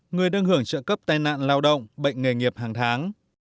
người đang hưởng trợ cấp tai nạn lao động bệnh nghề nghiệp hàng tháng